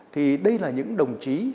thì đây là những đồng chí